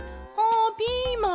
あピーマン。